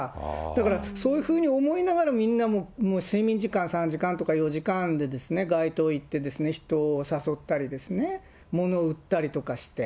だからそういうふうに思いながら、みんなもう、睡眠時間３時間とか４時間で街頭行って、人を誘ったりですね、物を売ったりとかして。